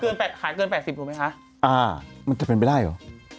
ขายเกินแปดสิบถูกไหมคะอ่ามันจะเป็นไปได้เหรอ